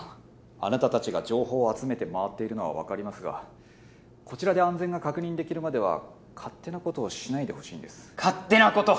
あなたたちが情報を集めて回っているのは分かりますがこちらで安全が確認できるまでは、勝手なことをしないでほしいんです。